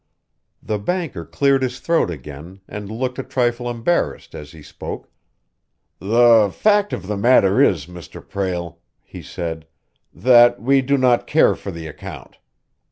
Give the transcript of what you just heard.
The banker cleared his throat again, and looked a trifle embarrassed as he spoke. "The fact of the matter is, Mr. Prale," he said, "that we do not care for the account."